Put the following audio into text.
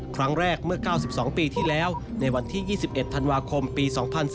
ครั้งแรกเมื่อ๙๒ปีที่แล้วในวันที่๒๑ธันวาคมปี๒๔